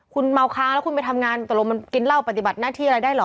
คุณเมาค้างแล้วคุณไปทำงานตกลงมันกินเหล้าปฏิบัติหน้าที่อะไรได้เหรอ